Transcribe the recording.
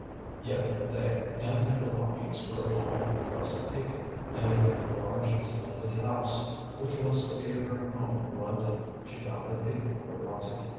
Yet they and their belongings were all pleasant people; and in that large and splendid house which was to be her home in London, she found that people were wanted.